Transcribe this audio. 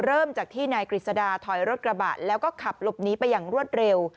เริ่มจากที่นายกฤษดาถอยรถกระบะแล้วก็ขับหลบหนีไปอย่างรวดเร็ว